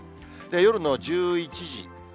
夜の１１時。